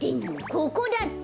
ここだって！